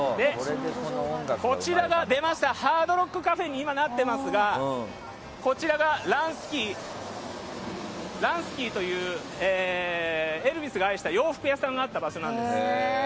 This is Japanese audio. こちらは、今はハードロックカフェになっていますがこちらがランスキーというエルヴィスが愛した洋服屋さんがあった場所なんです。